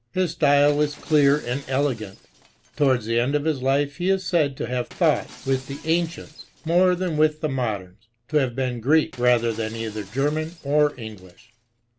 His style is clear and elegant. Towards the end of his life he is said to have thought with the ancients more than with the modems, to have been Greek rather than either German or English.